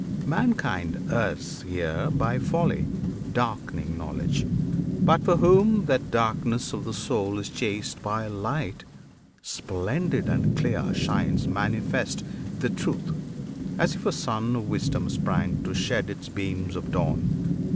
Mankind errs here By folly, darkening knowledge. But, for whom That darkness of the soul is chased by light, Splendid and clear shines manifest the Truth As if a Sun of Wisdom sprang to shed Its beams of dawn.